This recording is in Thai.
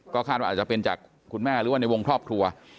คาดว่าอาจจะเป็นจากคุณแม่หรือว่าในวงครอบครัว